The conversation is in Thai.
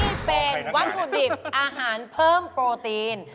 นี่เป็นวัตถุดิบอาหารเพิ่มโปรตีน